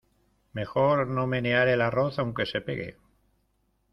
Mejor no menear el arroz aunque se pegue.